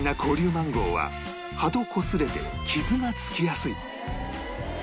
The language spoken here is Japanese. マンゴーは葉とこすれて傷がつきやすい